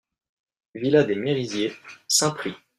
Villa des Merisiers, Saint-Prix